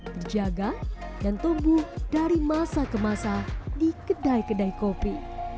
berjaga dan tumbuh dari masa ke masa di kedai kedai kopi